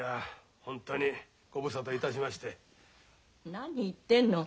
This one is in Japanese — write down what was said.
何言ってんの。